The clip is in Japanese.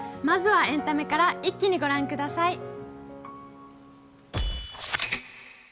まずはエンタメから一気に御覧ください。